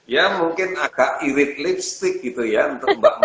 ya mungkin agak irit lipstick gitu ya untuk mbak